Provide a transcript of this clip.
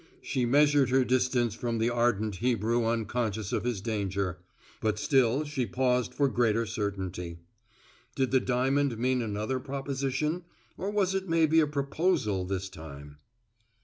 She measured her distance from the ardent Hebrew unconscious of his danger, but still she paused for greater certainty. Did the diamond mean another proposition or was it maybe a proposal this time?